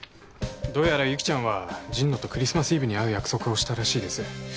どうやら由岐ちゃんは神野とクリスマスイブに会う約束をしたらしいです。